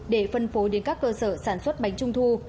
để phân phối đến các cơ sở sản xuất bánh trung thu